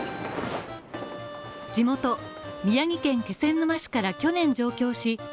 地元、宮城県気仙沼市から去年上京し